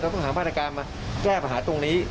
ต้องหามาตรการมาแก้ปัญหาตรงนี้